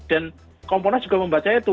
dan komponas juga membaca itu